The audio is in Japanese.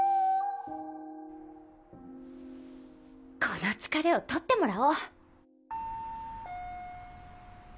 この疲れを取ってもらおう。